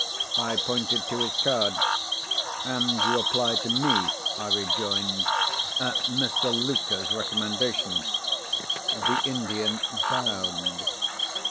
I pointed to his card. "And you apply to me," I rejoined, "at Mr. Luker's recommendation?" The Indian bowed.